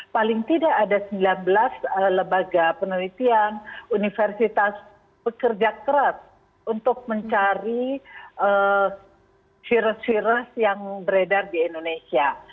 paling tidak ada sembilan belas lembaga penelitian universitas bekerja keras untuk mencari virus virus yang beredar di indonesia